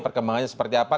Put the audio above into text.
perkembangannya seperti apa